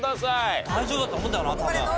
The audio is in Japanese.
大丈夫だとは思うんだよな多分。